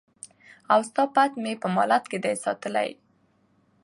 او ستا پت مي په مالت کي دی ساتلی